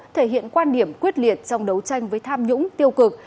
thể hiện quan điểm quyết liệt trong đấu tranh với tham nhũng tiêu cực